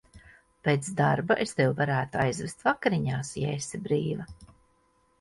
Pēc darba es tevi varētu aizvest vakariņās, ja esi brīva.